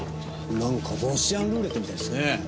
なんかロシアンルーレットみたいですね。